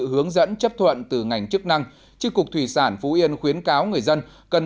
hướng dẫn chấp thuận từ ngành chức năng chứ cục thủy sản phú yên khuyến cáo người dân cần